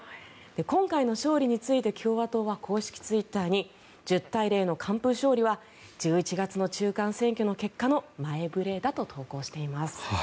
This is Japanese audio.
今回の勝利について共和党は公式ツイッターに１０対０の完封勝利は１１月の中間選挙の前触れだと投稿しています。